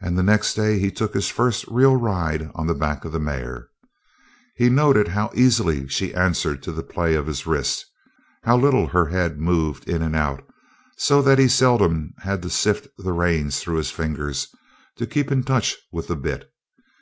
And the next day he took his first real ride on the back of the mare. He noted how easily she answered the play of his wrist, how little her head moved in and out, so that he seldom had to sift the reins through his fingers to keep in touch with the bit.